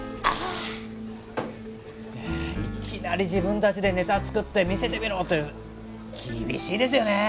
いきなり自分たちでネタ作って見せてみろって厳しいですよねえ？